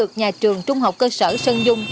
tại trường trung học cơ sở sơn dung